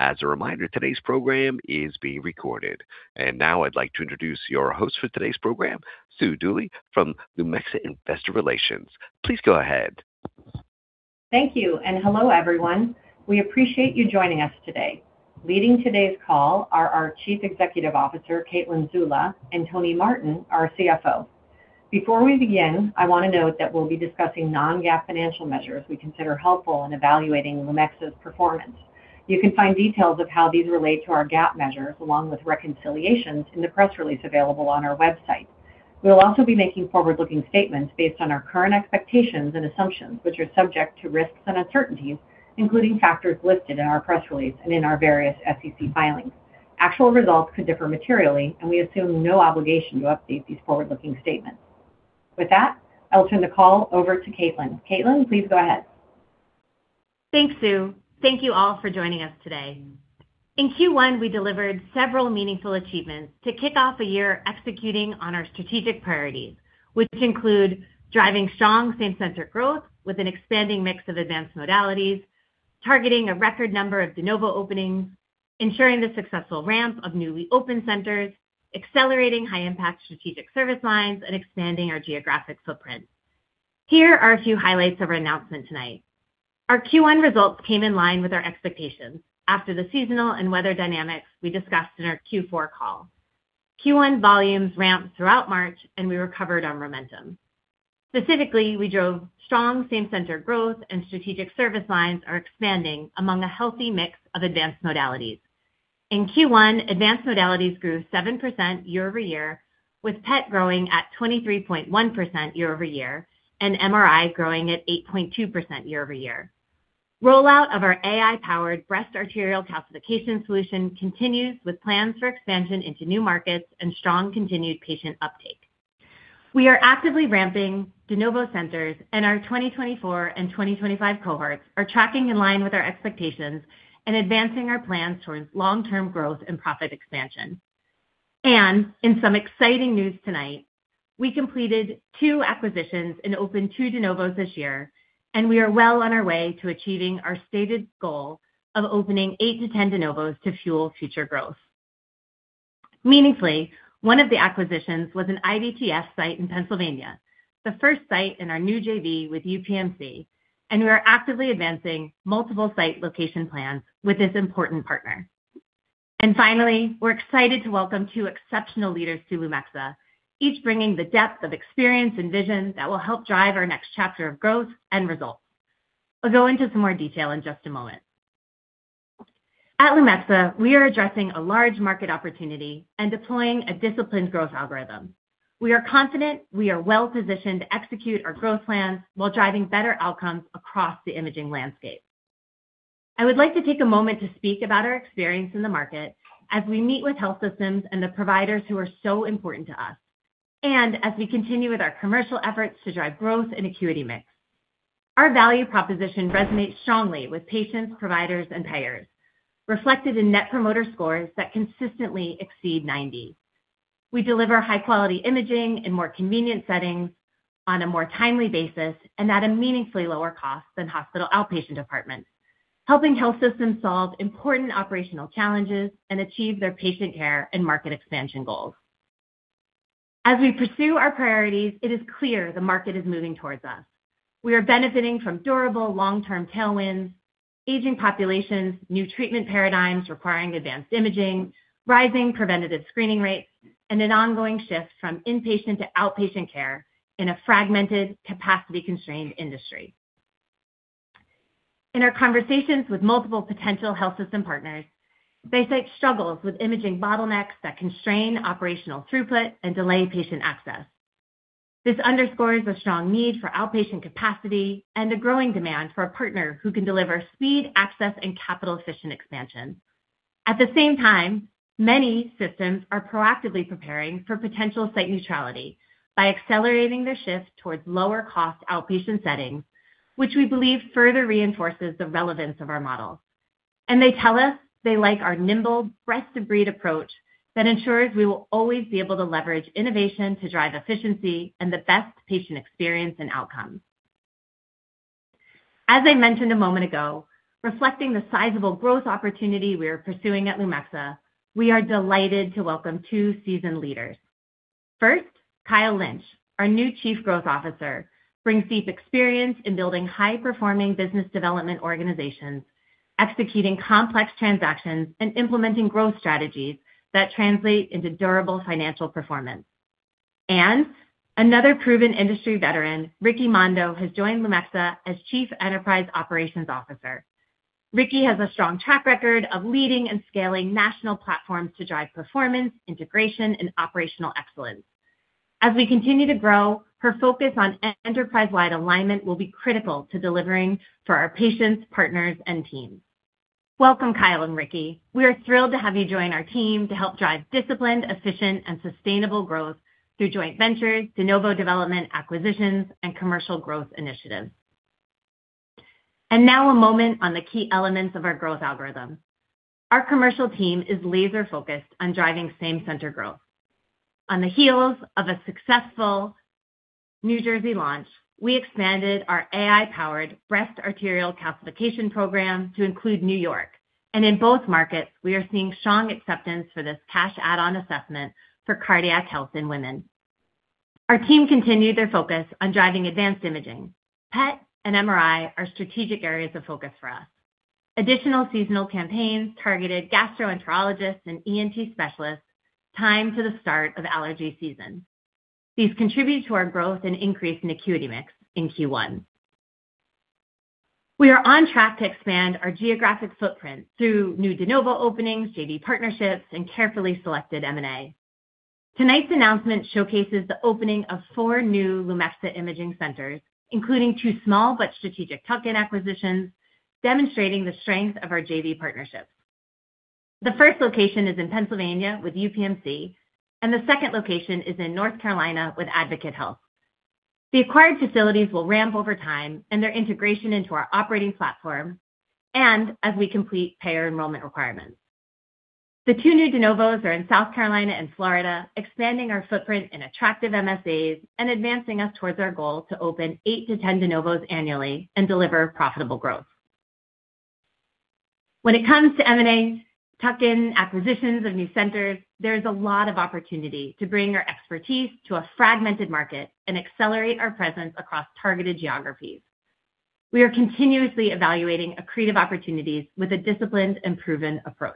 As a reminder, today's program is being recorded. Now I'd like to introduce your host for today's program, Sue Dooley from Lumexa Investor Relations. Please go ahead. Thank you, and hello, everyone. We appreciate you joining us today. Leading today's call are our Chief Executive Officer, Caitlin Zulla, and Tony Martin, our Chief Financial Officer. Before we begin, I want to note that we'll be discussing non-GAAP financial measures we consider helpful in evaluating Lumexa's performance. You can find details of how these relate to our GAAP measures along with reconciliations in the press release available on our website. We will also be making forward-looking statements based on our current expectations and assumptions, which are subject to risks and uncertainties, including factors listed in our press release and in our various SEC filings. Actual results could differ materially, and we assume no obligation to update these forward-looking statements. With that, I'll turn the call over to Caitlin. Caitlin, please go ahead. Thanks, Sue. Thank you all for joining us today. In Q1, we delivered several meaningful achievements to kick off a year executing on our strategic priorities, which include driving strong same-center growth with an expanding mix of advanced modalities, targeting a record number of de novo openings, ensuring the successful ramp of newly opened centers, accelerating high-impact strategic service lines, and expanding our geographic footprint. Here are a few highlights of our announcement tonight. Our Q1 results came in line with our expectations after the seasonal and weather dynamics we discussed in our Q4 call. Q1 volumes ramped throughout March, and we recovered our momentum. Specifically, we drove strong same-center growth and strategic service lines are expanding among a healthy mix of advanced modalities. In Q1, advanced modalities grew 7% year-over-year, with Positron Emission Tomography growing at 23.1% year-over-year and Magnetic Resonance Imaging growing at 8.2% year-over-year. Rollout of our AI-powered breast arterial calcification solution continues with plans for expansion into new markets and strong continued patient uptake. We are actively ramping de novo centers, and our 2024 and 2025 cohorts are tracking in line with our expectations and advancing our plans towards long-term growth and profit expansion. In some exciting news tonight, we completed two acquisitions and opened two de novos this year, and we are well on our way to achieving our stated goal of opening eight to 10 de novos to fuel future growth. Meaningfully, one of the acquisitions was an Independent Diagnostic Testing Facility site in Pennsylvania, the first site in our new Joint Venture with University of Pittsburgh Medical Center. We are actively advancing multiple site location plans with this important partner. Finally, we're excited to welcome two exceptional leaders to Lumexa, each bringing the depth of experience and vision that will help drive our next chapter of growth and results. I'll go into some more detail in just a moment. At Lumexa, we are addressing a large market opportunity and deploying a disciplined growth algorithm. We are confident we are well-positioned to execute our growth plans while driving better outcomes across the imaging landscape. I would like to take a moment to speak about our experience in the market as we meet with health systems and the providers who are so important to us and as we continue with our commercial efforts to drive growth and acuity mix. Our value proposition resonates strongly with patients, providers, and payers, reflected in net promoter scores that consistently exceed 90. We deliver high-quality imaging in more convenient settings on a more timely basis and at a meaningfully lower cost than hospital outpatient departments, helping health systems solve important operational challenges and achieve their patient care and market expansion goals. As we pursue our priorities, it is clear the market is moving towards us. We are benefiting from durable long-term tailwinds, aging populations, new treatment paradigms requiring advanced imaging, rising preventative screening rates, and an ongoing shift from inpatient to outpatient care in a fragmented, capacity-constrained industry. In our conversations with multiple potential health system partners, they cite struggles with imaging bottlenecks that constrain operational throughput and delay patient access. This underscores a strong need for outpatient capacity and a growing demand for a partner who can deliver speed, access, and capital-efficient expansion. At the same time, many systems are proactively preparing for potential site neutrality by accelerating their shift towards lower-cost outpatient settings, which we believe further reinforces the relevance of our model. They tell us they like our nimble best-of-breed approach that ensures we will always be able to leverage innovation to drive efficiency and the best patient experience and outcomes. As I mentioned a moment ago, reflecting the sizable growth opportunity we are pursuing at Lumexa, we are delighted to welcome two seasoned leaders. First, Kyle Lynch, our new Chief Growth Officer, brings deep experience in building high-performing business development organizations, executing complex transactions, and implementing growth strategies that translate into durable financial performance. Another proven industry veteran, Rikki Mondo, has joined Lumexa as Chief Enterprise Operations Officer. Rikki has a strong track record of leading and scaling national platforms to drive performance, integration, and operational excellence. As we continue to grow, her focus on enterprise-wide alignment will be critical to delivering for our patients, partners, and teams. Welcome, Kyle and Rikki. We are thrilled to have you join our team to help drive disciplined, efficient, and sustainable growth through joint ventures, de novo development acquisitions, and commercial growth initiatives. Now a moment on the key elements of our growth algorithm. Our commercial team is laser-focused on driving same-center growth. On the heels of a successful New Jersey launch, we expanded our AI-powered breast arterial calcification program to include New York, and in both markets we are seeing strong acceptance for this cash add-on assessment for cardiac health in women. Our team continued their focus on driving advanced imaging. PET and MRI are strategic areas of focus for us. Additional seasonal campaigns targeted gastroenterologists and Ear, Nose, and Throat specialists timed to the start of allergy season. These contribute to our growth and increase in acuity mix in Q1. We are on track to expand our geographic footprint through new de novo openings, JV partnerships, and carefully selected M&A. Tonight's announcement showcases the opening of four new Lumexa Imaging centers, including two small but strategic tuck-in acquisitions, demonstrating the strength of our JV partnerships. The first location is in Pennsylvania with UPMC, and the second location is in North Carolina with Advocate Health. The acquired facilities will ramp over time and their integration into our operating platform and as we complete payer enrollment requirements. The two new de novos are in South Carolina and Florida, expanding our footprint in attractive MSAs and advancing us towards our goal to open eight to 10 de novos annually and deliver profitable growth. When it comes to M&A, tuck-in acquisitions of new centers, there is a lot of opportunity to bring our expertise to a fragmented market and accelerate our presence across targeted geographies. We are continuously evaluating accretive opportunities with a disciplined and proven approach.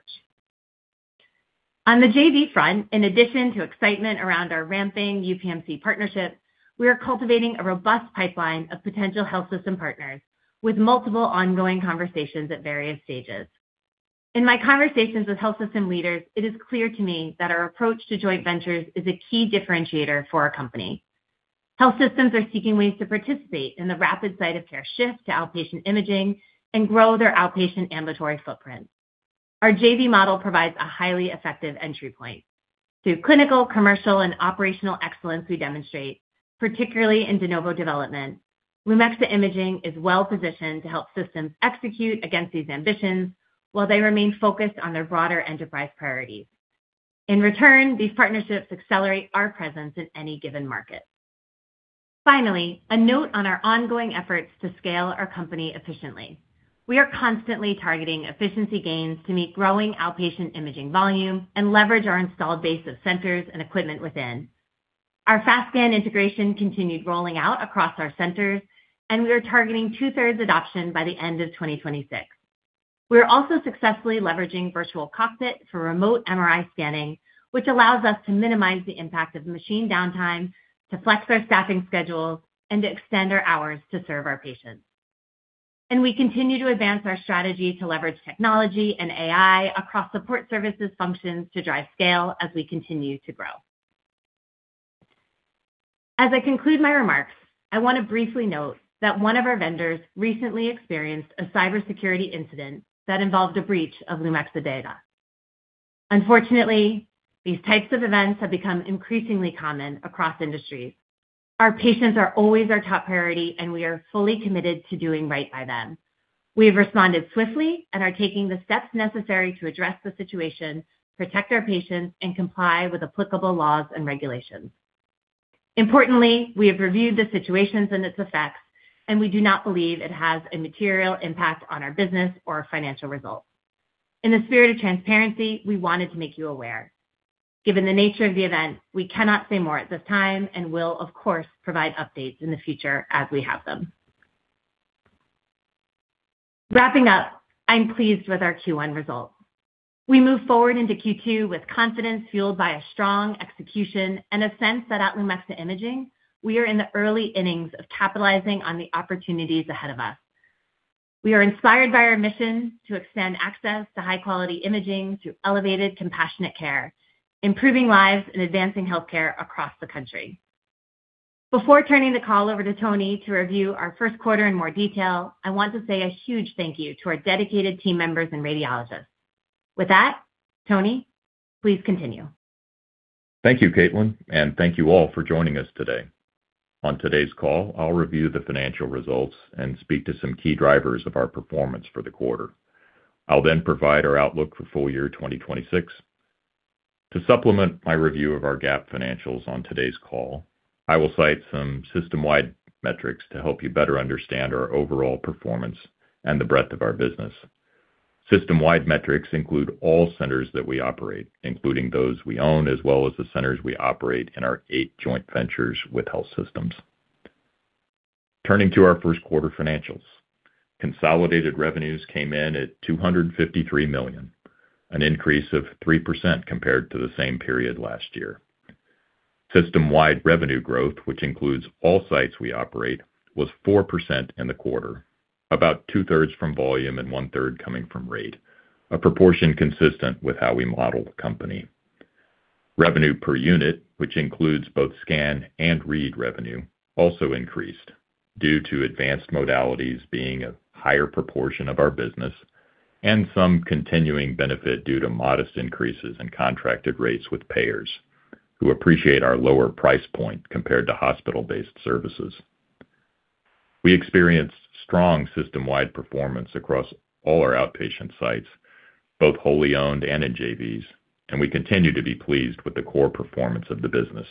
On the JV front, in addition to excitement around our ramping UPMC partnership, we are cultivating a robust pipeline of potential health system partners with multiple ongoing conversations at various stages. In my conversations with health system leaders, it is clear to me that our approach to joint ventures is a key differentiator for our company. Health systems are seeking ways to participate in the rapid site of care shift to outpatient imaging and grow their outpatient ambulatory footprint. Our JV model provides a highly effective entry point. Through clinical, commercial, and operational excellence we demonstrate, particularly in de novo development, Lumexa Imaging is well-positioned to help systems execute against these ambitions while they remain focused on their broader enterprise priorities. In return, these partnerships accelerate our presence in any given market. Finally, a note on our ongoing efforts to scale our company efficiently. We are constantly targeting efficiency gains to meet growing outpatient imaging volume and leverage our installed base of centers and equipment within. Our FastScan integration continued rolling out across our centers, and we are targeting two-thirds adoption by the end of 2026. We are also successfully leveraging Virtual Cockpit for remote MRI scanning, which allows us to minimize the impact of machine downtime, to flex our staffing schedules, and to extend our hours to serve our patients. We continue to advance our strategy to leverage technology and AI across support services functions to drive scale as we continue to grow. As I conclude my remarks, I want to briefly note that one of our vendors recently experienced a cybersecurity incident that involved a breach of Lumexa data. Unfortunately, these types of events have become increasingly common across industries. Our patients are always our top priority, and we are fully committed to doing right by them. We have responded swiftly and are taking the steps necessary to address the situation, protect our patients, and comply with applicable laws and regulations. Importantly, we have reviewed the situation and its effects, and we do not believe it has a material impact on our business or financial results. In the spirit of transparency, we wanted to make you aware. Given the nature of the event, we cannot say more at this time and will, of course, provide updates in the future as we have them. Wrapping up, I'm pleased with our Q1 results. We move forward into Q2 with confidence fueled by a strong execution and a sense that at Lumexa Imaging, we are in the early innings of capitalizing on the opportunities ahead of us. We are inspired by our mission to extend access to high-quality imaging through elevated, compassionate care, improving lives and advancing healthcare across the country. Before turning the call over to Tony to review our first quarter in more detail, I want to say a huge thank you to our dedicated team members and radiologists. With that, Tony, please continue. Thank you, Caitlin, and thank you all for joining us today. On today's call, I'll review the financial results and speak to some key drivers of our performance for the quarter. I'll provide our outlook for full year 2026. To supplement my review of our GAAP financials on today's call, I will cite some system-wide metrics to help you better understand our overall performance and the breadth of our business. System-wide metrics include all centers that we operate, including those we own as well as the centers we operate in our eight joint ventures with health systems. Turning to our first quarter financials, consolidated revenues came in at $253 million, an increase of 3% compared to the same period last year. System-wide revenue growth, which includes all sites we operate, was 4% in the quarter, about 2/3 from volume and 1/3 coming from rate, a proportion consistent with how we model the company. Revenue per unit, which includes both scan and read revenue, also increased due to advanced modalities being a higher proportion of our business and some continuing benefit due to modest increases in contracted rates with payers who appreciate our lower price point compared to hospital-based services. We experienced strong system-wide performance across all our outpatient sites, both wholly owned and in JVs, and we continue to be pleased with the core performance of the business.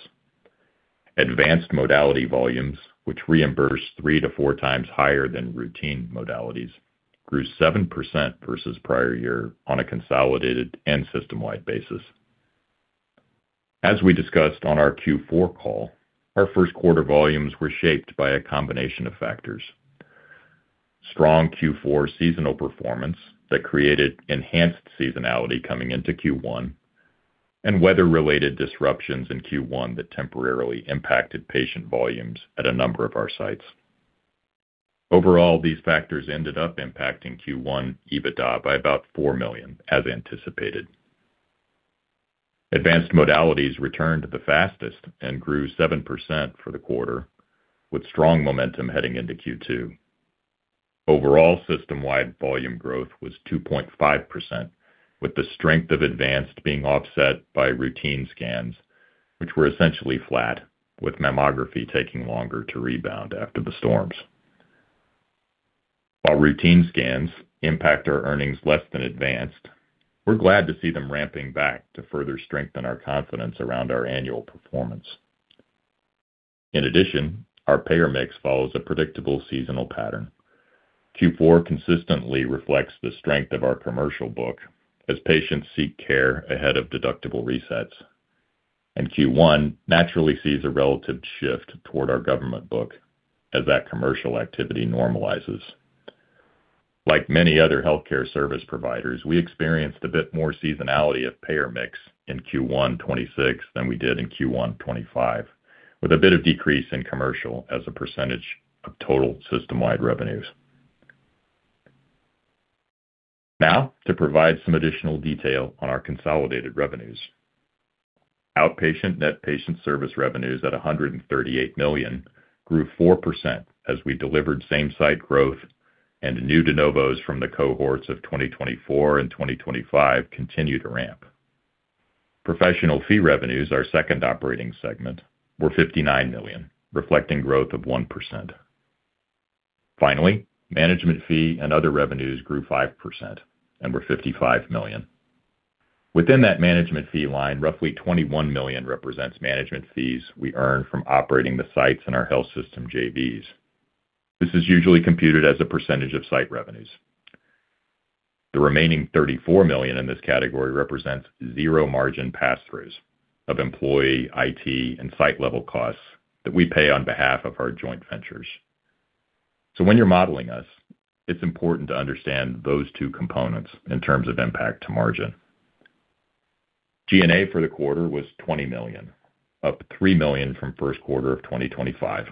Advanced modality volumes, which reimburse 3x to 4x higher than routine modalities, grew 7% versus prior year on a consolidated and system-wide basis. As we discussed on our Q4 call, our first quarter volumes were shaped by a combination of factors: strong Q4 seasonal performance that created enhanced seasonality coming into Q1, and weather-related disruptions in Q1 that temporarily impacted patient volumes at a number of our sites. Overall, these factors ended up impacting Q1 EBITDA by about $4 million, as anticipated. Advanced modalities returned the fastest and grew 7% for the quarter, with strong momentum heading into Q2. Overall system-wide volume growth was 2.5%, with the strength of advanced being offset by routine scans, which were essentially flat, with mammography taking longer to rebound after the storms. While routine scans impact our earnings less than advanced, we're glad to see them ramping back to further strengthen our confidence around our annual performance. In addition, our payer mix follows a predictable seasonal pattern. Q4 consistently reflects the strength of our commercial book as patients seek care ahead of deductible resets, and Q1 naturally sees a relative shift toward our government book as that commercial activity normalizes. Like many other healthcare service providers, we experienced a bit more seasonality of payer mix in Q1 2026 than we did in Q1 2025, with a bit of decrease in commercial as a percentage of total system-wide revenues. To provide some additional detail on our consolidated revenues. Outpatient net patient service revenues at $138 million grew 4% as we delivered same-site growth and new de novos from the cohorts of 2024 and 2025 continue to ramp. Professional fee revenues, our second operating segment, were $59 million, reflecting growth of 1%. Finally, management fee and other revenues grew 5% and were $55 million. Within that management fee line, roughly $21 million represents management fees we earn from operating the sites in our health system JVs. This is usually computed as a percentage of site revenues. The remaining $34 million in this category represents zero margin passthroughs of employee, IT, and site level costs that we pay on behalf of our joint ventures. When you're modeling us, it's important to understand those two components in terms of impact to margin. G&A for the quarter was $20 million, up $3 million from first quarter of 2025.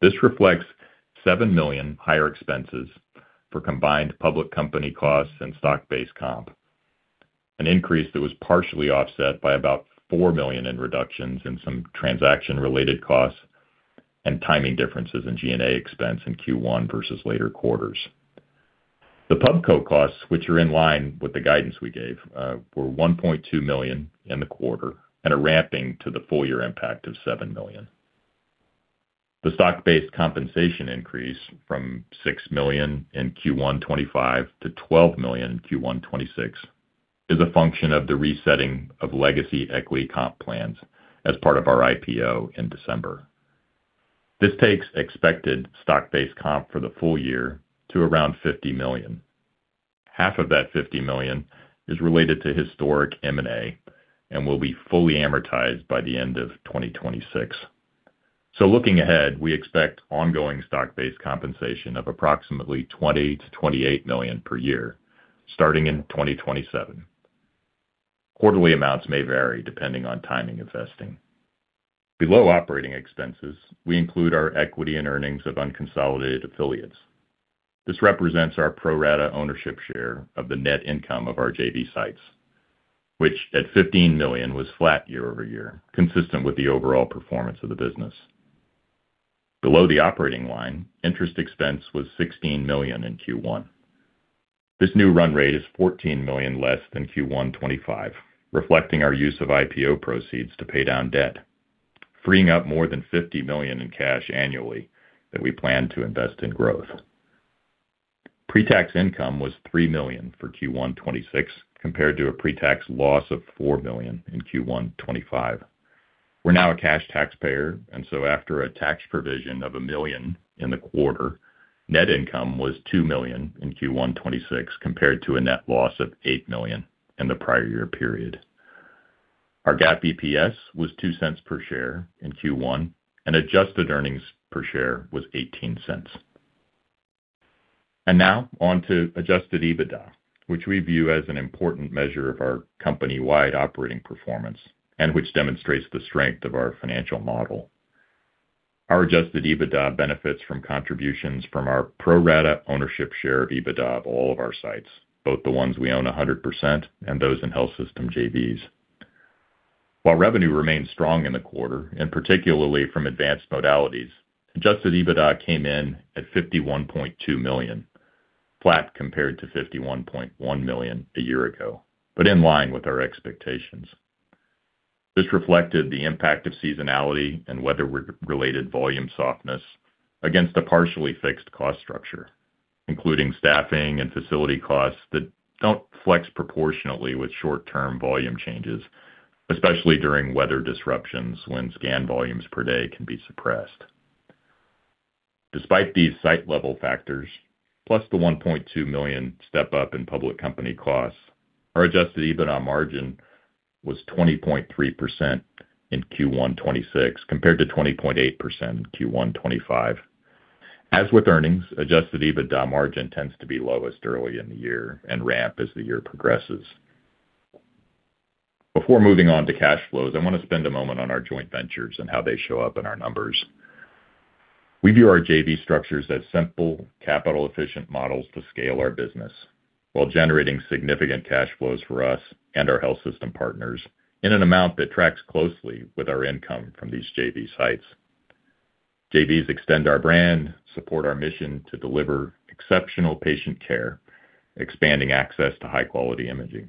This reflects $7 million higher expenses for combined public company costs and stock-based comp, an increase that was partially offset by about $4 million in reductions in some transaction-related costs and timing differences in G&A expense in Q1 versus later quarters. The public company costs, which are in line with the guidance we gave, were $1.2 million in the quarter and are ramping to the full year impact of $7 million. The stock-based compensation increase from $6 million in Q1 2025 to $12 million in Q1 2026 is a function of the resetting of legacy equity comp plans as part of our IPO in December. This takes expected stock-based comp for the full year to around $50 million. Half of that $50 million is related to historic M&A and will be fully amortized by the end of 2026. Looking ahead, we expect ongoing stock-based compensation of approximately $20 million-$28 million per year starting in 2027. Quarterly amounts may vary depending on timing of vesting. Below operating expenses, we include our equity and earnings of unconsolidated affiliates. This represents our pro rata ownership share of the net income of our JV sites, which at $15 million was flat year-over-year, consistent with the overall performance of the business. Below the operating line, interest expense was $16 million in Q1. This new run rate is $14 million less than Q1 2025, reflecting our use of IPO proceeds to pay down debt, freeing up more than $50 million in cash annually that we plan to invest in growth. Pre-tax income was $3 million for Q1 2026, compared to a pre-tax loss of $4 million in Q1 2025. We're now a cash taxpayer, after a tax provision of $1 million in the quarter, net income was $2 million in Q1 2026, compared to a net loss of $8 million in the prior year period. Our GAAP EPS was $0.02 per share in Q1, and adjusted earnings per share was $0.18. Now on to Adjusted EBITDA, which we view as an important measure of our company-wide operating performance and which demonstrates the strength of our financial model. Our Adjusted EBITDA benefits from contributions from our pro rata ownership share of EBITDA of all of our sites, both the ones we own 100% and those in health system JVs. While revenue remains strong in the quarter, and particularly from advanced modalities, Adjusted EBITDA came in at $51.2 million, flat compared to $51.1 million a year ago, but in line with our expectations. This reflected the impact of seasonality and weather related volume softness against a partially fixed cost structure, including staffing and facility costs that don't flex proportionally with short-term volume changes, especially during weather disruptions when scan volumes per day can be suppressed. Despite these site-level factors, plus the $1.2 million step-up in public company costs, our Adjusted EBITDA margin was 20.3% in Q1 2026 compared to 20.8% in Q1 2025. As with earnings, adjusted EBITDA margin tends to be lowest early in the year and ramp as the year progresses. Before moving on to cash flows, I wanna spend a moment on our joint ventures and how they show up in our numbers. We view our JV structures as simple, capital-efficient models to scale our business while generating significant cash flows for us and our health system partners in an amount that tracks closely with our income from these JV sites. JVs extend our brand, support our mission to deliver exceptional patient care, expanding access to high-quality imaging.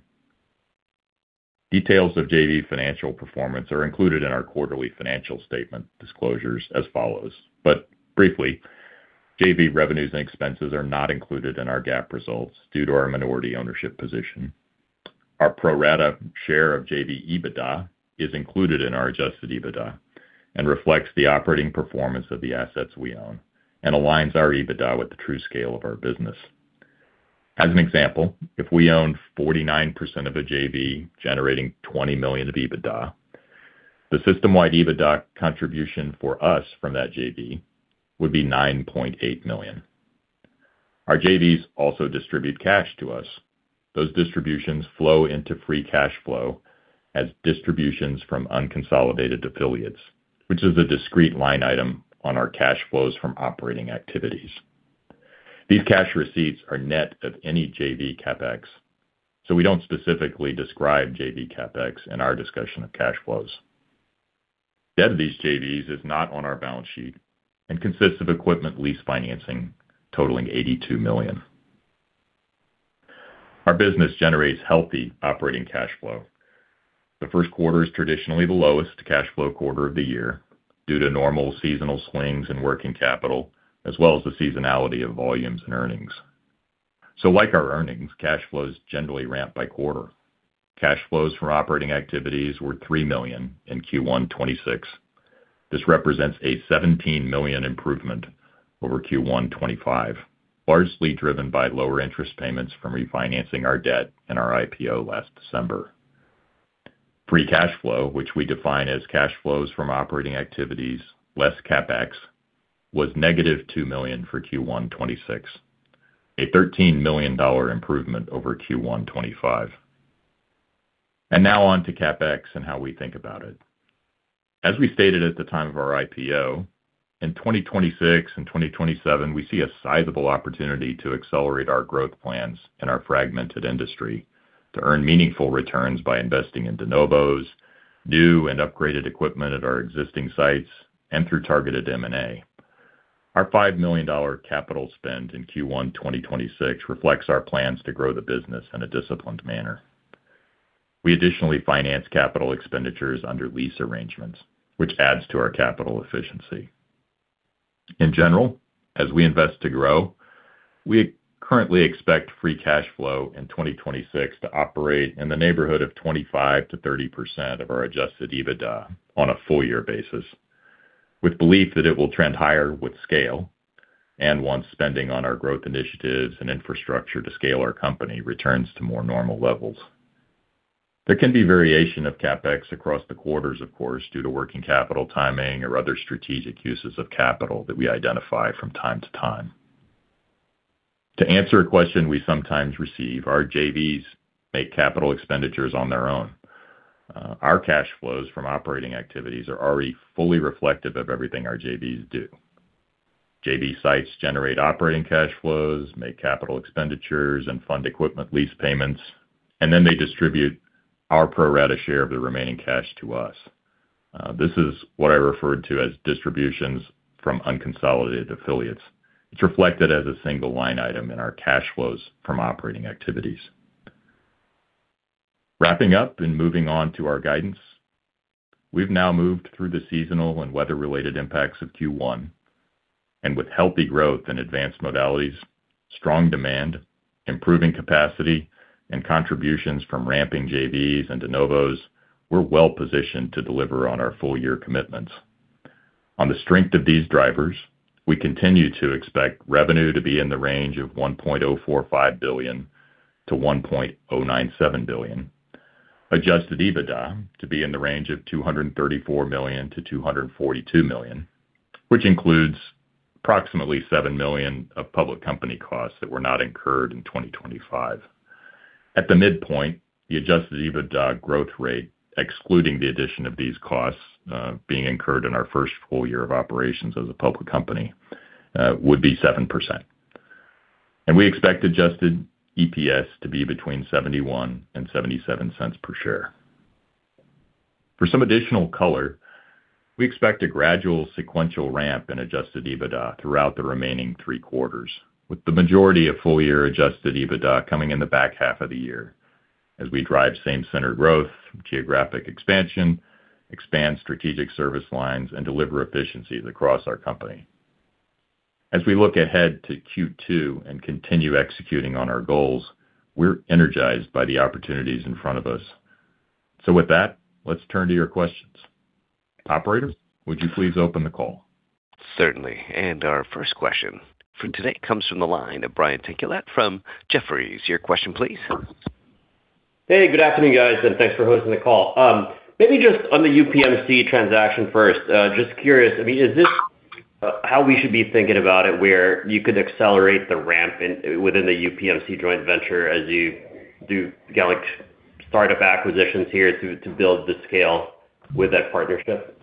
Details of JV financial performance are included in our quarterly financial statement disclosures as follows. Briefly, JV revenues and expenses are not included in our GAAP results due to our minority ownership position. Our pro rata share of JV EBITDA is included in our Adjusted EBITDA and reflects the operating performance of the assets we own and aligns our EBITDA with the true scale of our business. As an example, if we own 49% of a JV generating $20 million of EBITDA, the system-wide EBITDA contribution for us from that JV would be $9.8 million. Our JVs also distribute cash to us. Those distributions flow into Free Cash Flow as distributions from unconsolidated affiliates, which is a discrete line item on our cash flows from operating activities. These cash receipts are net of any JV CapEx, so we don't specifically describe JV CapEx in our discussion of cash flows. Debt of these JVs is not on our balance sheet and consists of equipment lease financing totaling $82 million. Our business generates healthy Operating Cash Flow. The first quarter is traditionally the lowest cash flow quarter of the year due to normal seasonal swings in working capital, as well as the seasonality of volumes and earnings. Our earnings, cash flows generally ramp by quarter. Cash flows from operating activities were $3 million in Q1 2026. This represents a $17 million improvement over Q1 2025, largely driven by lower interest payments from refinancing our debt and our IPO last December. Free cash flow, which we define as cash flows from operating activities, less CapEx, was -$2 million for Q1 2026, a $13 million improvement over Q1 2025. Now on to CapEx and how we think about it. As we stated at the time of our IPO, in 2026 and 2027, we see a sizable opportunity to accelerate our growth plans in our fragmented industry to earn meaningful returns by investing in de novos, new and upgraded equipment at our existing sites, and through targeted M&A. Our $5 million capital spend in Q1 2026 reflects our plans to grow the business in a disciplined manner. We additionally finance capital expenditures under lease arrangements, which adds to our capital efficiency. In general, as we invest to grow, we currently expect Free Cash Flow in 2026 to operate in the neighborhood of 25%-30% of our Adjusted EBITDA on a full year basis, with belief that it will trend higher with scale and once spending on our growth initiatives and infrastructure to scale our company returns to more normal levels. There can be variation of CapEx across the quarters, of course, due to working capital timing or other strategic uses of capital that we identify from time to time. To answer a question we sometimes receive, our JVs make capital expenditures on their own. Our cash flows from operating activities are already fully reflective of everything our JVs do. JV sites generate Operating Cash Flow, make capital expenditures and fund equipment lease payments. They distribute our pro rata share of the remaining cash to us. This is what I referred to as distributions from unconsolidated affiliates. It's reflected as a single line item in our cash flows from operating activities. Wrapping up and moving on to our guidance. We've now moved through the seasonal and weather-related impacts of Q1, and with healthy growth in advanced modalities, strong demand, improving capacity, and contributions from ramping JVs and de novos, we're well-positioned to deliver on our full-year commitments. On the strength of these drivers, we continue to expect revenue to be in the range of $1.045 billion-$1.097 billion, Adjusted EBITDA to be in the range of $234 million-$242 million, which includes approximately $7 million of public company costs that were not incurred in 2025. At the midpoint, the Adjusted EBITDA growth rate, excluding the addition of these costs, being incurred in our first full year of operations as a public company, would be 7%. We expect Adjusted EPS to be between $0.71 and $0.77 per share. For some additional color, we expect a gradual sequential ramp in Adjusted EBITDA throughout the remaining three quarters, with the majority of full-year Adjusted EBITDA coming in the back half of the year as we drive same center growth, geographic expansion, expand strategic service lines, and deliver efficiencies across our company. As we look ahead to Q2 and continue executing on our goals, we're energized by the opportunities in front of us. With that, let's turn to your questions. Operator, would you please open the call? Certainly. Our first question for today comes from the line of Brian Tanquilut from Jefferies. Your question, please. Hey, good afternoon, guys, and thanks for hosting the call. Maybe just on the UPMC transaction first, just curious, I mean, is this how we should be thinking about it, where you could accelerate the ramp in, within the UPMC joint venture as you do, like, startup acquisitions here to build the scale with that partnership?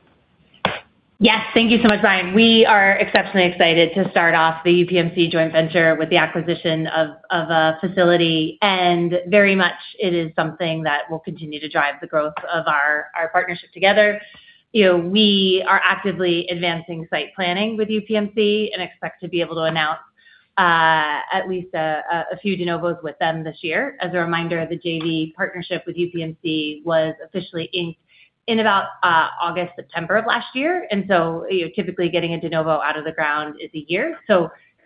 Yes. Thank you so much, Brian. We are exceptionally excited to start off the UPMC joint venture with the acquisition of a facility, and very much it is something that will continue to drive the growth of our partnership together. You know, we are actively advancing site planning with UPMC and expect to be able to announce at least a few de novos with them this year. As a reminder, the JV partnership with UPMC was officially inked in about August, September of last year. Typically getting a de novo out of the ground is a year.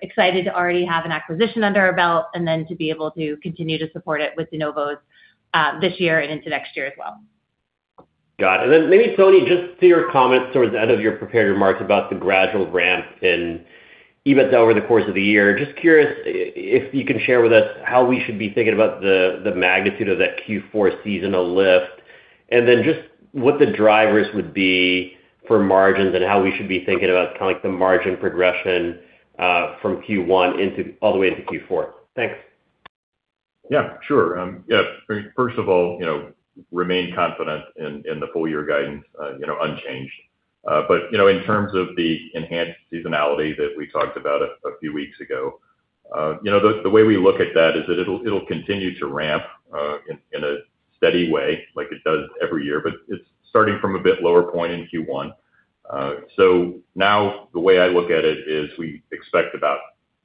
Excited to already have an acquisition under our belt and then to be able to continue to support it with de novos this year and into next year as well. Got it. Maybe, Tony, just to your comments towards the end of your prepared remarks about the gradual ramp in EBITDA over the course of the year. Just curious if you can share with us how we should be thinking about the magnitude of that Q4 seasonal lift, just what the drivers would be for margins and how we should be thinking about kind of like the margin progression from Q1 all the way into Q4? Thanks. Yeah, sure. Yeah, first of all, you know, remain confident in the full year guidance, you know, unchanged. You know, in terms of the enhanced seasonality that we talked about a few weeks ago, you know, the way we look at that is that it'll continue to ramp in a steady way like it does every year, but it's starting from a bit lower point in Q1. Now the way I look at it is we expect about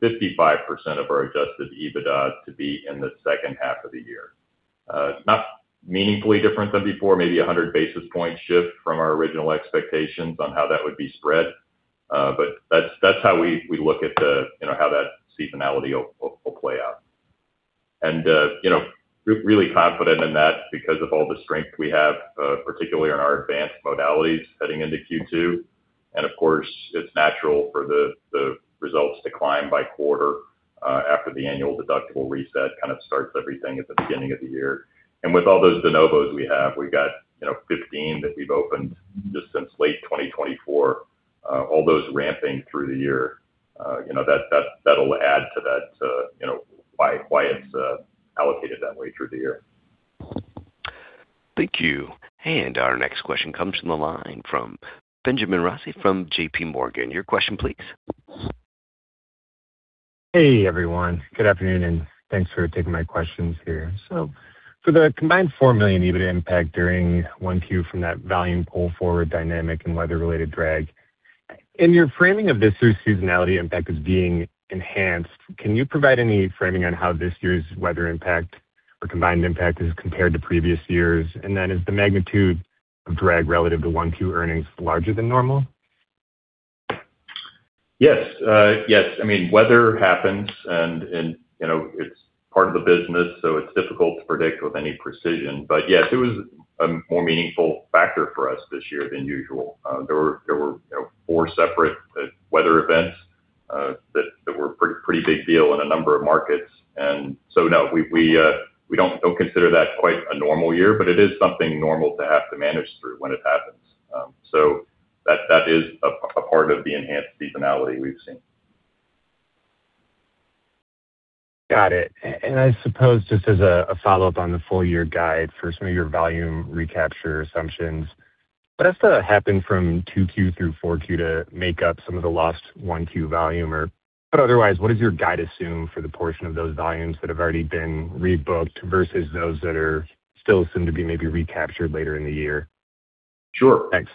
55% of our Adjusted EBITDA to be in the second half of the year. Not meaningfully different than before, maybe a 100 basis point shift from our original expectations on how that would be spread. That's how we look at the, you know, how that seasonality will play out. You know, really confident in that because of all the strength we have, particularly on our advanced modalities heading into Q2. Of course, it's natural for the results to climb by quarter after the annual deductible reset, kind of starts everything at the beginning of the year. With all those de novos we have, we've got, you know, 15 that we've opened just since late 2024, all those ramping through the year, you know, that'll add to that, you know, why it's allocated that way through the year. Thank you. Our next question comes from the line from Benjamin Rossi from JPMorgan. Your question, please. Hey, everyone. Good afternoon, and thanks for taking my questions here. For the combined $4 million EBITDA impact during 1Q from that volume pull forward dynamic and weather-related drag, in your framing of this year's seasonality impact as being enhanced, can you provide any framing on how this year's weather impact or combined impact is compared to previous years? Is the magnitude of drag relative to 1Q earnings larger than normal? Yes, yes. I mean, weather happens and, you know, it's part of the business, so it's difficult to predict with any precision. Yes, it was a more meaningful factor for us this year than usual. There were, you know, four separate weather events that were a pretty big deal in a number of markets. No, we don't consider that quite a normal year, but it is something normal to have to manage through when it happens. So that is a part of the enhanced seasonality we've seen. Got it. I suppose just as a follow-up on the full year guide for some of your volume recapture assumptions, what has to happen from 2Q to 4Q to make up some of the lost 1Q volume? What otherwise would your guide assume for the portion of those volumes that have already been rebooked versus those that are still soon to be maybe recaptured later in the year? Sure. Thanks.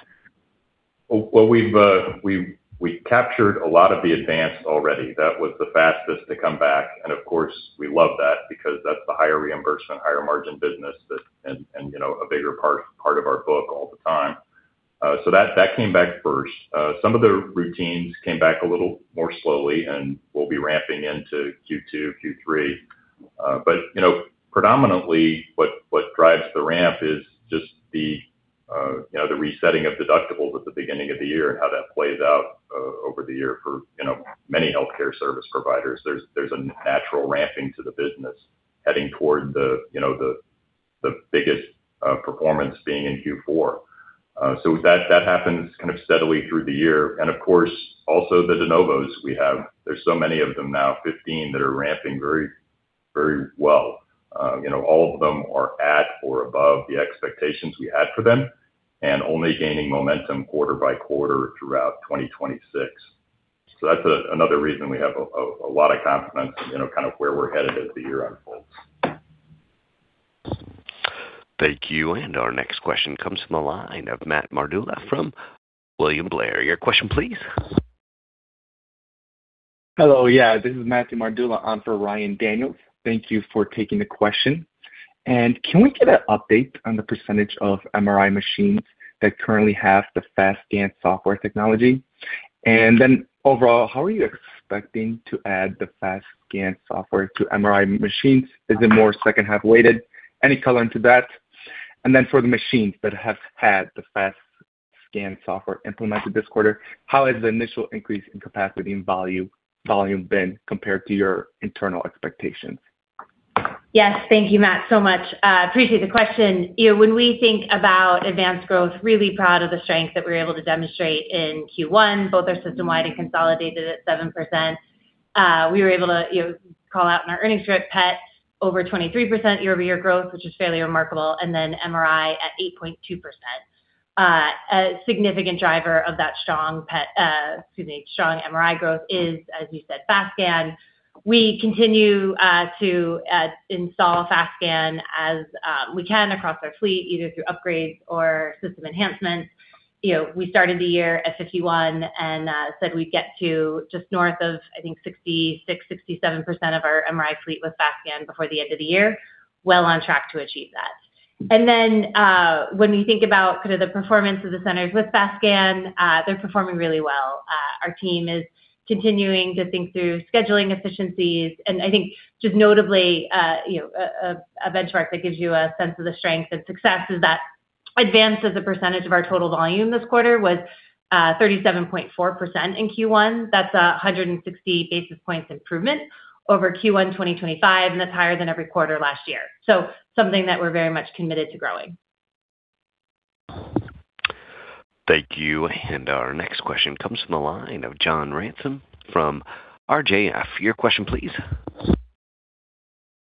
Well, we've captured a lot of the advance already. That was the fastest to come back. Of course, we love that because that's the higher reimbursement, higher margin business that, you know, a bigger part of our book all the time. That came back first. Some of the routines came back a little more slowly and will be ramping into Q2, Q3. You know, predominantly what drives the ramp is just the, you know, the resetting of deductibles at the beginning of the year and how that plays out over the year for, you know, many healthcare service providers. There's a natural ramping to the business heading toward the, you know, the biggest performance being in Q4. That happens kind of steadily through the year. Of course, also the de novos we have. There's so many of them now, 15, that are ramping very, very well. You know, all of them are at or above the expectations we had for them and only gaining momentum quarter by quarter throughout 2026. That's another reason we have a lot of confidence in, you know, kind of where we're headed as the year unfolds. Thank you. Our next question comes from the line of Matt Mardula from William Blair. Your question please. Hello. This is Matt Mardula on for Ryan Daniels. Thank you for taking the question. Can we get an update on the percentage of MRI machines that currently have the FastScan software technology? Overall, how are you expecting to add the FastScan software to MRI machines? Is it more second half weighted? Any color into that? For the machines that have had the FastScan software implemented this quarter, how has the initial increase in capacity and volume been compared to your internal expectations? Yes. Thank you, Matt, so much. Appreciate the question. You know, when we think about advanced growth, really proud of the strength that we were able to demonstrate in Q1, both our system-wide and consolidated at 7%. We were able to, you know, call out in our earnings direct PET over 23% year-over-year growth, which is fairly remarkable, and then MRI at 8.2%. A significant driver of that strong PET, excuse me, strong MRI growth is, as you said, FastScan. We continue to install FastScan as we can across our fleet, either through upgrades or system enhancements. You know, we started the year at 51, and said we'd get to just north of, I think, 66%, 67% of our MRI fleet with FastScan before the end of the year. Well on track to achieve that. When we think about sort of the performance of the centers with FastScan, they're performing really well. Our team is continuing to think through scheduling efficiencies. I think just notably, you know, a benchmark that gives you a sense of the strength and success is that advanced as a percentage of our total volume this quarter was 37.4% in Q1. That's 160 basis points improvement over Q1 2025, and that's higher than every quarter last year. Something that we're very much committed to growing. Thank you. Our next question comes from the line of John Ransom from RJF. Your question please.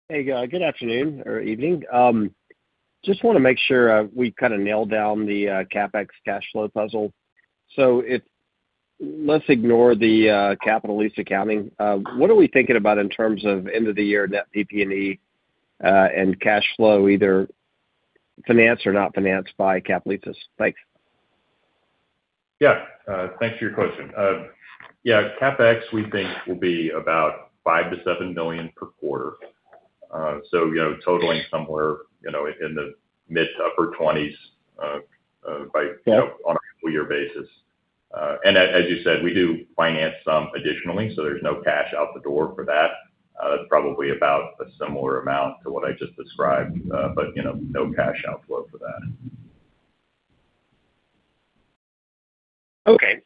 Hey, good afternoon or evening. Just wanna make sure we kinda nailed down the CapEx cash flow puzzle. Let's ignore the capital lease accounting. What are we thinking about in terms of end of the year Net PP&E and cash flow, either financed or not financed by capital leases? Thanks. Yeah. Thanks for your question. Yeah, CapEx, we think, will be about $5 million-$7 million per quarter. You know, totaling somewhere, you know, in the mid-to-upper $20 million, by, you know, on a full year basis. As, as you said, we do finance some additionally, so there's no cash out the door for that. Probably about a similar amount to what I just described, but you know, no cash outflow for that. Okay.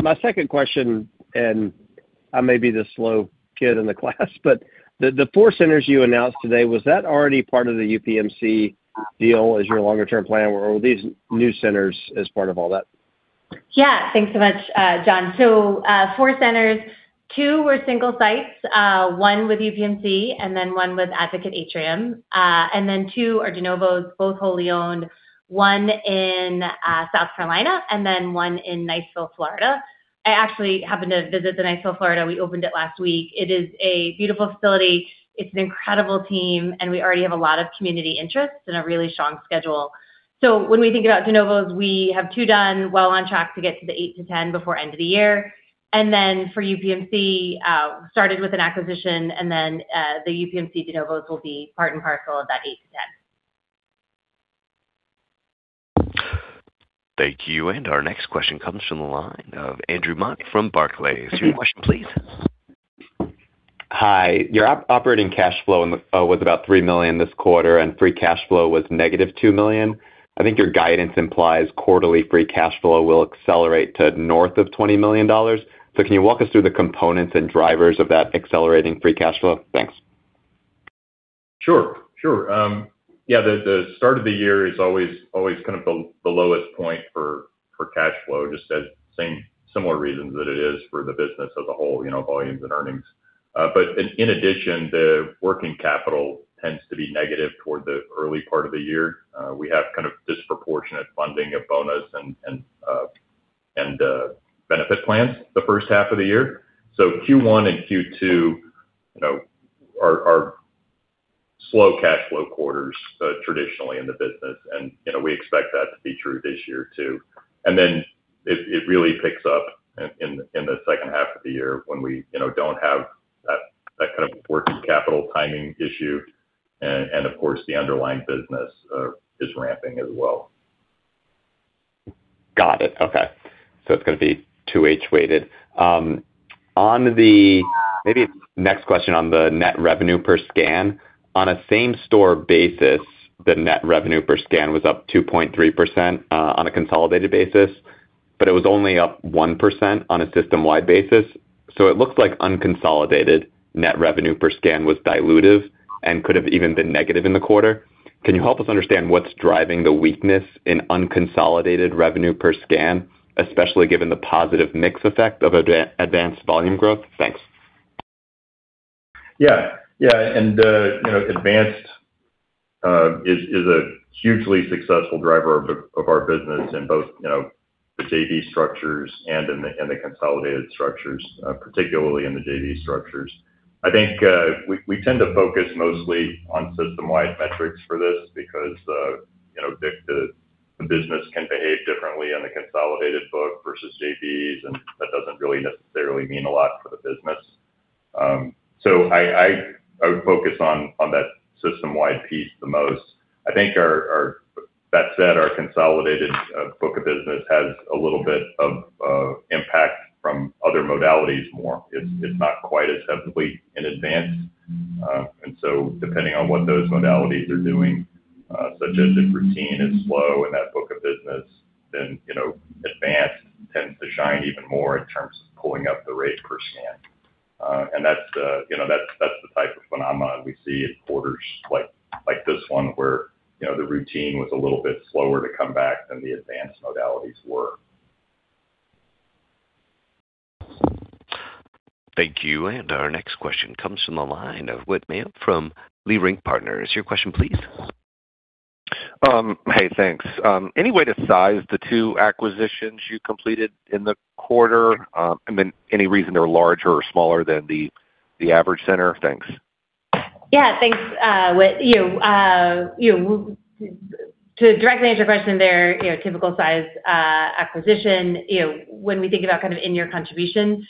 My second question, and I may be the slow kid in the class, but the four centers you announced today, was that already part of the UPMC deal as your longer term plan, or were these new centers as part of all that? Thanks so much, John. Four centers, two were single sites, one with UPMC, one with Advocate Health. Two are de novos, both wholly owned, one in South Carolina, one in Niceville, Florida. I actually happened to visit the Niceville, Florida. We opened it last week. It is a beautiful facility. It's an incredible team, and we already have a lot of community interest and a really strong schedule. When we think about de novos, we have two done well on track to get to the eight to 10 before end of the year. For UPMC, started with an acquisition, the UPMC de novos will be part and parcel of that eight to 10. Thank you. Our next question comes from the line of Andrew Mok from Barclays. Your question, please. Hi. Your Operating Cash Flow was about $3 million this quarter, and Free Cash Flow was -$2 million. I think your guidance implies quarterly Free Cash Flow will accelerate to north of $20 million. Can you walk us through the components and drivers of that accelerating Free Cash Flow? Thanks. Sure. Sure. The start of the year is always kind of the lowest point for cash flow, just as same similar reasons that it is for the business as a whole, you know, volumes and earnings. In addition, the working capital tends to be negative toward the early part of the year. We have kind of disproportionate funding of bonus and benefit plans the first half of the year. Q1 and Q2, you know, are slow cash flow quarters traditionally in the business. We expect that to be true this year too. Then it really picks up in the second half of the year when we, you know, don't have that kind of working capital timing issue and of course, the underlying business is ramping as well. Got it. Okay. It's gonna be 2H weighted. Next question on the net revenue per scan. On a same store basis, the net revenue per scan was up 2.3% on a consolidated basis, but it was only up 1% on a system-wide basis. It looks like unconsolidated net revenue per scan was dilutive and could have even been negative in the quarter. Can you help us understand what's driving the weakness in unconsolidated revenue per scan, especially given the positive mix effect of advanced volume growth? Thanks. Yeah. Yeah. You know, advanced is a hugely successful driver of our business in both you know, the JV structures and in the consolidated structures, particularly in the JV structures. I think we tend to focus mostly on system-wide metrics for this because you know, the business can behave differently in the consolidated book versus JVs, and that doesn't really necessarily mean a lot for the business. I would focus on that system-wide piece the most. I think That said, our consolidated book of business has a little bit of impact from other modalities more. It's not quite as heavily in advance. Depending on what those modalities are doing, such as if routine is slow in that book of business, then, you know, advance tends to shine even more in terms of pulling up the rate per scan. That's the, you know, that's the type of phenomena we see in quarters like this one where, you know, the routine was a little bit slower to come back than the advanced modalities were. Thank you. Our next question comes from the line of Whit Mayo from Leerink Partners. Your question please. Hey, thanks. Any way to size the two acquisitions you completed in the quarter? Any reason they're larger or smaller than the average center? Thanks. Yeah, thanks, Whit. You know, to directly answer your question there, you know, typical size acquisition, you know, when we think about kind of in-year contributions,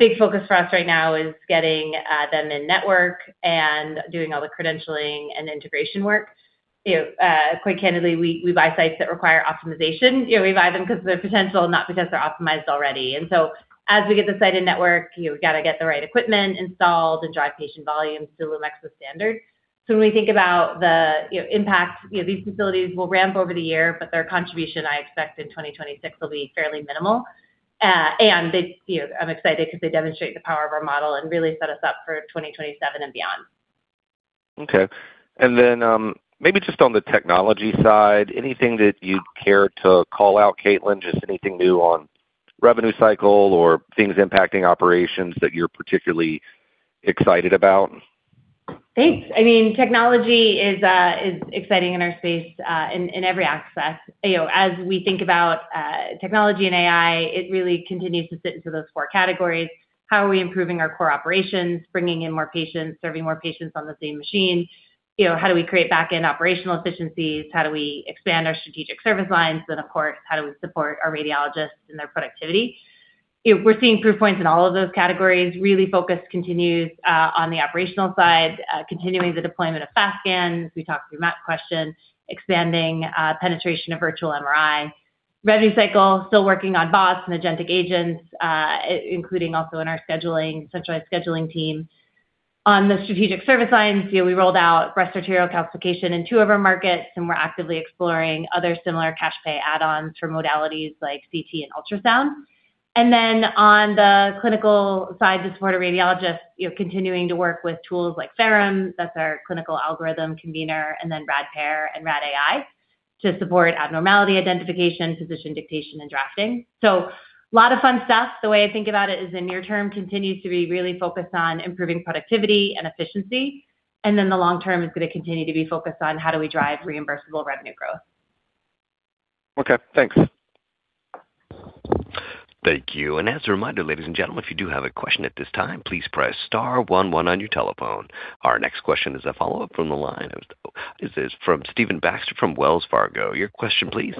big focus for us right now is getting them in network and doing all the credentialing and integration work. You know, quite candidly, we buy sites that require optimization. You know, we buy them because of their potential, not because they're optimized already. As we get the site in network, you know, we gotta get the right equipment installed and drive patient volumes to Lumexa's standard. When we think about the, you know, impact, you know, these facilities will ramp over the year, but their contribution I expect in 2026 will be fairly minimal. They, you know, I'm excited because they demonstrate the power of our model and really set us up for 2027 and beyond. Okay. Then, maybe just on the technology side, anything that you'd care to call out, Caitlin? Just anything new on revenue cycle or things impacting operations that you're particularly excited about? Thanks. I mean, technology is exciting in our space, in every aspect. You know, as we think about technology and AI, it really continues to fit into those four categories. How are we improving our core operations, bringing in more patients, serving more patients on the same machine? You know, how do we create back-end operational efficiencies? How do we expand our strategic service lines? Of course, how do we support our radiologists in their productivity? You know, we're seeing proof points in all of those categories. Really focus continues on the operational side, continuing the deployment of FastScans. We talked through Matt question. Expanding penetration of virtual MRI. Revenue cycle, still working on bots and Agentic Agents, including also in our scheduling, centralized scheduling team. On the strategic service lines, you know, we rolled out breast arterial calcification in two of our markets, and we're actively exploring other similar cash pay add-ons for modalities like Computed Tomography and ultrasound. On the clinical side to support our radiologists, you know, continuing to work with tools like Ferrum Health, that's our clinical algorithm convener, and then RadPair and Rad AI to support abnormality identification, physician dictation, and drafting. Lot of fun stuff. The way I think about it is the near term continues to be really focused on improving productivity and efficiency, and then the long term is gonna continue to be focused on how do we drive reimbursable revenue growth. Okay, thanks. Thank you. As a reminder, ladies and gentlemen, if you do have a question at this time, please press star one one on your telephone. Our next question is a follow-up from the line of This is from Stephen Baxter from Wells Fargo. Your question please.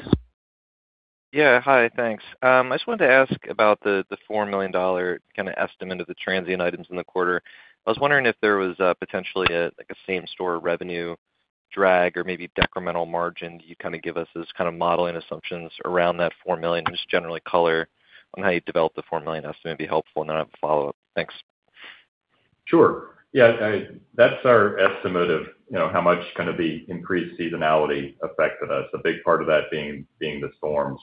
Yeah. Hi. Thanks. I just wanted to ask about the $4 million estimate of the transient items in the quarter. I was wondering if there was, potentially a same-store revenue drag or maybe decremental margin you'd give us as modeling assumptions around that $4 million. Just generally color on how you developed the $4 million estimate would be helpful. I have a follow-up. Thanks. Sure. Yeah. That's our estimate of, you know, how much kind of the increased seasonality affected us. A big part of that being the storms,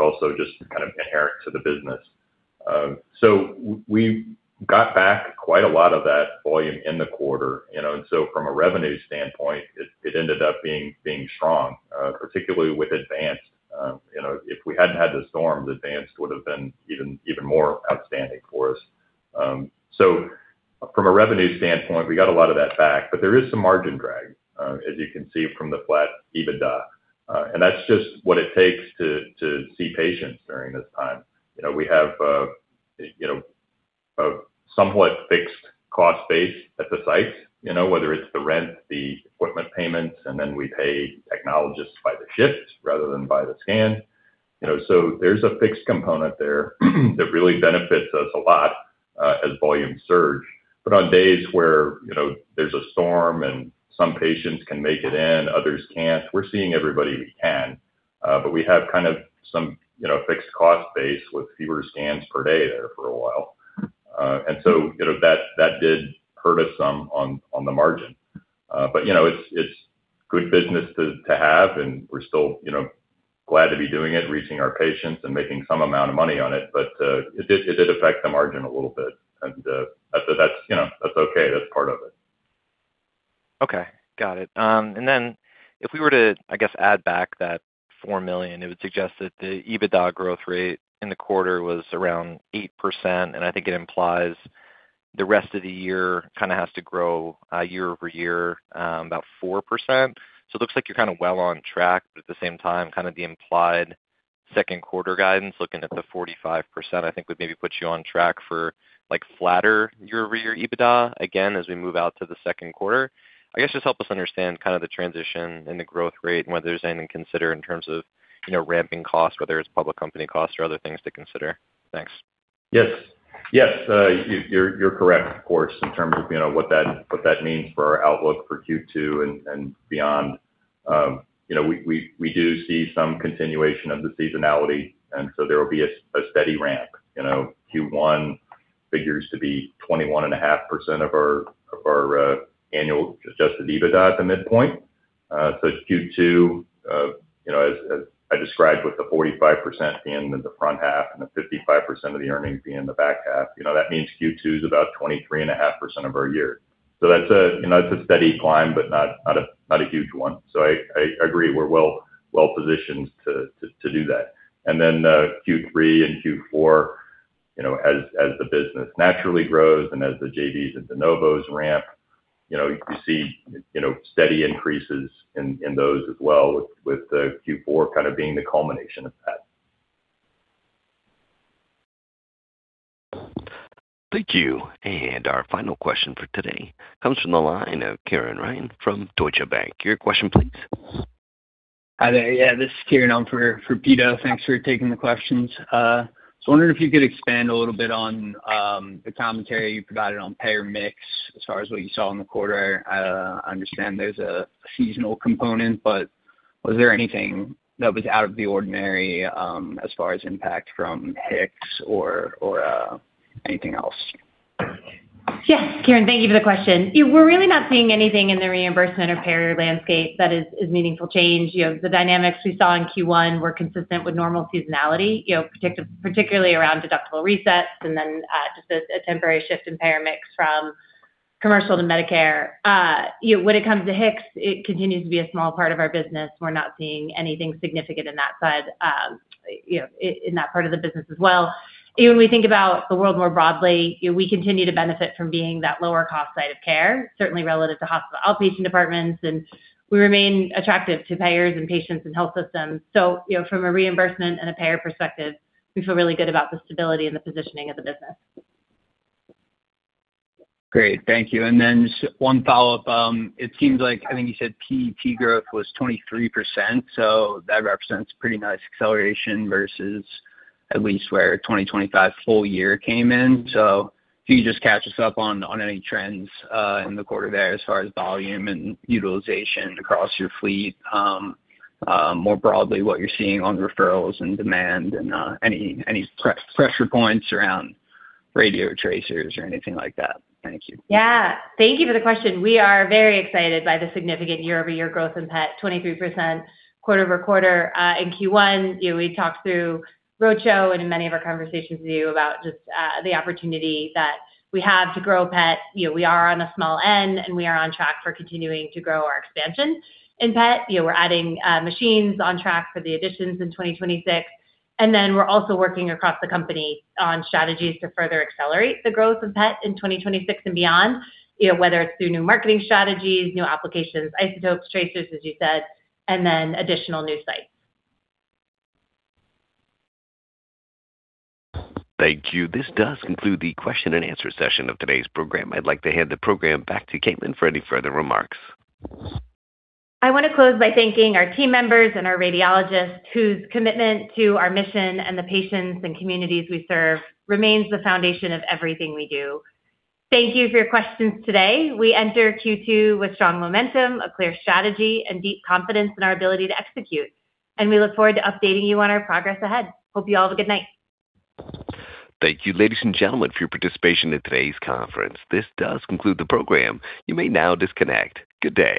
also just kind of inherent to the business. We got back quite a lot of that volume in the quarter, you know. From a revenue standpoint, it ended up being strong, particularly with advanced. You know, if we hadn't had the storms, advanced would've been even more outstanding for us. From a revenue standpoint, we got a lot of that back, there is some margin drag, as you can see from the flat EBITDA. That's just what it takes to see patients during this time. You know, we have, you know, a somewhat fixed cost base at the site, you know, whether it's the rent, the equipment payments, and then we pay technologists by the shift rather than by the scan. You know, so there's a fixed component there that really benefits us a lot as volumes surge. On days where, you know, there's a storm and some patients can make it in, others can't, we're seeing everybody we can, but we have kind of some, you know, fixed cost base with fewer scans per day there for a while. You know, that did hurt us some on the margin. You know, it's good business to have, and we're still, you know, glad to be doing it, reaching our patients and making some amount of money on it. It did affect the margin a little bit. That's, you know, that's okay. That's part of it. Okay. Got it. If we were to, I guess, add back that $4 million, it would suggest that the EBITDA growth rate in the quarter was around 8%. I think it implies the rest of the year kind of has to grow year-over-year about 4%. It looks like you're kind of well on track, but at the same time, kind of the implied second quarter guidance, looking at the 45%, I think would maybe put you on track for like flatter year-over-year EBITDA again as we move out to the second quarter. I guess just help us understand kind of the transition and the growth rate and whether there's anything to consider in terms of, you know, ramping costs, whether it's public company costs or other things to consider. Thanks. Yes. Yes, you're correct, of course, in terms of, you know, what that means for our outlook for Q2 and beyond. You know, we do see some continuation of the seasonality, there will be a steady ramp. You know, Q1 figures to be 21.5% of our annual Adjusted EBITDA at the midpoint. Q2, you know, as I described with the 45% being in the front half and the 55% of the earnings being in the back half. You know, that means Q2 is about 23.5% of our year. That's a, you know, it's a steady climb, but not a huge one. I agree, we're well-positioned to do that. Q3 and Q4, you know, as the business naturally grows and as the JVs and de novos ramp, you know, you see, you know, steady increases in those as well with Q4 kind of being the culmination of that. Thank you. Our final question for today comes from the line of Kieran Ryan from Deutsche Bank. Your question please. Hi there. Yeah, this is Kieran on for Pito. Thanks for taking the questions. Wondering if you could expand a little bit on the commentary you provided on payer mix as far as what you saw in the quarter. I understand there's a seasonal component, was there anything that was out of the ordinary as far as impact from High-Intensity CT Software or anything else? Yes, Kieran, thank you for the question. We're really not seeing anything in the reimbursement or payer landscape that is meaningful change. You know, the dynamics we saw in Q1 were consistent with normal seasonality, you know, particularly around deductible resets and then just a temporary shift in payer mix from commercial to Medicare. You know, when it comes to HICS, it continues to be a small part of our business. We're not seeing anything significant in that side, you know, in that part of the business as well. When we think about the world more broadly, you know, we continue to benefit from being that lower cost site of care, certainly relative to hospital outpatient departments, and we remain attractive to payers and patients and health systems. You know, from a reimbursement and a payer perspective, we feel really good about the stability and the positioning of the business. Great. Thank you. Just one follow-up. It seems like, I think you said PET growth was 23%, that represents pretty nice acceleration versus at least where 2025 full year came in. Can you just catch us up on any trends in the quarter there as far as volume and utilization across your fleet? More broadly, what you're seeing on referrals and demand and any pre-pressure points around radiotracers or anything like that? Thank you. Yeah. Thank you for the question. We are very excited by the significant year-over-year growth in PET, 23% quarter-over-quarter in Q1. You know, we talked through roadshow and in many of our conversations with you about just the opportunity that we have to grow PET. You know, we are on a small end, and we are on track for continuing to grow our expansion in PET. You know, we're adding machines on track for the additions in 2026. Then we're also working across the company on strategies to further accelerate the growth of PET in 2026 and beyond. You know, whether it's through new marketing strategies, new applications, isotopes, tracers, as you said, and then additional new sites. Thank you. This does conclude the question and answer session of today's program. I'd like to hand the program back to Caitlin for any further remarks. I wanna close by thanking our team members and our radiologists whose commitment to our mission and the patients and communities we serve remains the foundation of everything we do. Thank you for your questions today. We enter Q2 with strong momentum, a clear strategy, and deep confidence in our ability to execute. We look forward to updating you on our progress ahead. I hope you all have a good night. Thank you, ladies and gentlemen, for your participation in today's conference. This does conclude the program. You may now disconnect. Good day.